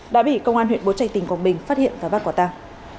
đã bị công an huyện bố trạch tỉnh quảng bình phát hiện và bắt quả tàng